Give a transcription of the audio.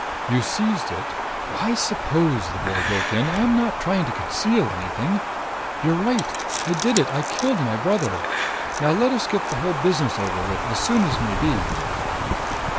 You seized it " "Why suppose?" the boy broke in. "I'm not trying to conceal anything. You're right I did it! I killed my brother! Now let us get the whole business over as soon as may be."